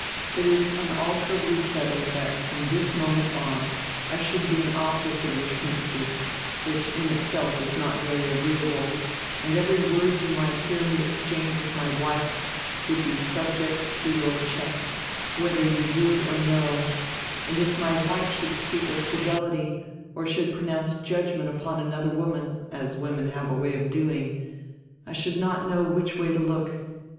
It is unalterably settled that from this moment on I should be an object of your sympathy, which in itself is not very agreeable, and every word you might hear me ex change with my wife would be subject to your check, whether you would or no, and if my wife should speak of fidelity or should pronounce judgment upon another woman, as women have a way of doing, I should not know which way to look.